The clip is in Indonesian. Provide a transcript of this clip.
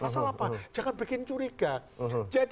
masalah apa jangan bikin curiga